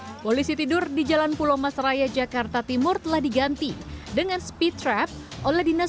hai polisi tidur di jalan pulau masraya jakarta timur telah diganti dengan speedtrap oleh dinas